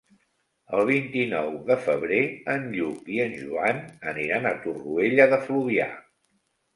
El vint-i-nou de febrer en Lluc i en Joan aniran a Torroella de Fluvià.